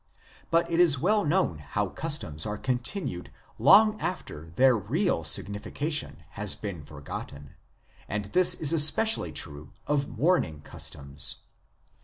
But it is well known how customs are continued long after their real signification has been forgotten, and this is especially true of mourning customs.